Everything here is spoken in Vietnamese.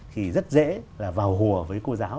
thì rất dễ là vào hùa với cô giáo